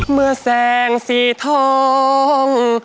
เมื่อแสงสีทอง